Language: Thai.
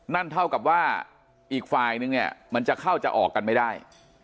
นั่นเท่ากับว่าอีกฝ่ายนึงเนี่ยมันจะเข้าจะออกกันไม่ได้